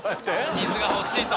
水が欲しいと。